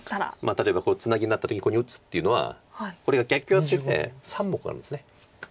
例えばツナギになった時にここに打つっていうのはこれは逆ヨセで３目あるんです。